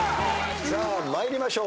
さあ参りましょう。